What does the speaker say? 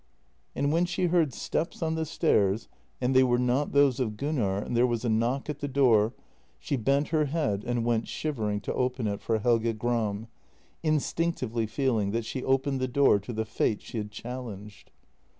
And when she heard steps on the stairs, and they were not those of Gunnar, and there was a knock at the door, she bent her head and went shivering to open it for Helge Gram, in stinctively feeling that she opened the door to the fate she had challenged.